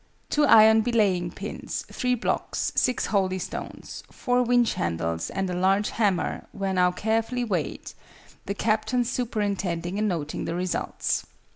Two iron belaying pins, three blocks, six holystones, four winch handles, and a large hammer, were now carefully weighed, the Captain superintending and noting the results.